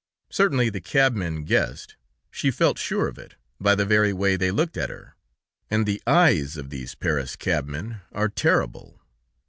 Certainly, the cabmen guessed. She felt sure of it, by the very way they looked at her, and the eyes of these Paris cabmen are terrible!